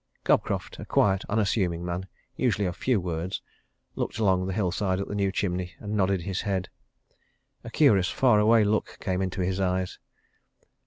Cobcroft, a quiet, unassuming man, usually of few words, looked along the hillside at the new chimney, and nodded his head. A curious, far away look came into his eyes.